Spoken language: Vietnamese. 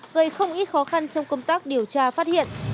gây không ít khó khăn trong công tác điều tra phát hiện